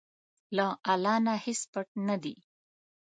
له الله نه هیڅ پټ نه دي.